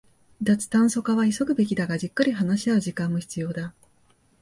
脱炭素化は急ぐべきだが、じっくり話し合う時間も必要だ